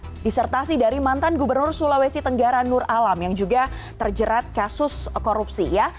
ada disertasi dari mantan gubernur sulawesi tenggara nur alam yang juga terjerat kasus korupsi ya